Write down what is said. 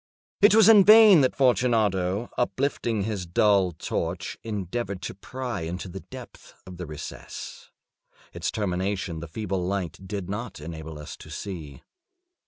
It was in vain that Fortunato, uplifting his dull torch, endeavored to pry into the depths of the recess. Its termination the feeble light did not enable us to see.